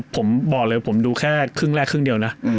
ผมบอกเลยผมดูแค่ครึ่งแรกครึ่งเดียวนะ